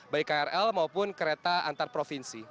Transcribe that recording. baik krl maupun kereta antar provinsi